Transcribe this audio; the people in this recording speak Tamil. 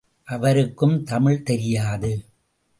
அவருக்கும் தமிழ் தெரியாது.